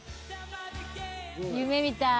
「夢みたい」